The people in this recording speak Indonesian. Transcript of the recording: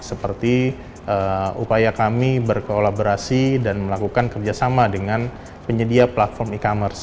seperti upaya kami berkolaborasi dan melakukan kerjasama dengan penyedia platform e commerce